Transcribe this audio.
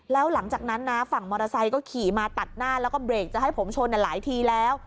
แล้วหลังจากนั้นนะฝั่งมอเตอร์ไซค์ก็ขี่มาตัดหน้าแล้วก็เบรกจะให้ผมชนหลายทีแล้ว